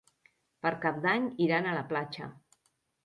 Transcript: Per Cap d'Any iran a la platja.